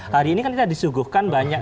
hari ini kan kita disuguhkan banyak